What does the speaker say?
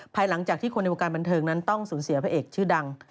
หลังจากที่คนในวงการบันเทิงนั้นต้องสูญเสียพระเอกชื่อดัง